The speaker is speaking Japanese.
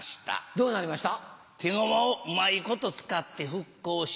どうなりました？